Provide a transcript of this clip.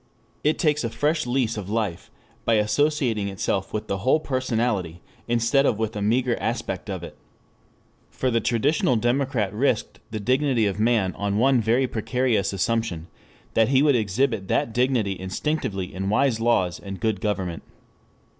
It takes a fresh lease of life by associating itself with the whole personality instead of with a meager aspect of it. For the traditional democrat risked the dignity of man on one very precarious assumption, that he would exhibit that dignity instinctively in wise laws and good government.